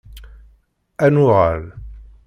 Ad nuɣal!